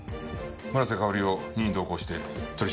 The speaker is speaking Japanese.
村瀬香織を任意同行して取り調べよう。